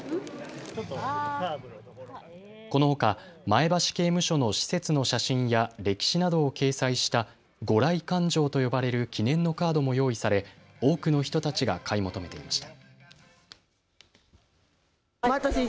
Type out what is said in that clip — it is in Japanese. このほか前橋刑務所の施設の写真や歴史などを掲載した御来監状と呼ばれる記念のカードも用意され多くの人たちが買い求めていました。